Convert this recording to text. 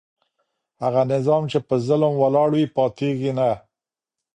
هغه نظام چي په ظلم ولاړ وي پاتیږي نه.